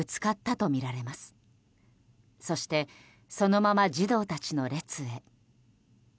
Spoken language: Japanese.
そしてそのまま児童たちの列へ。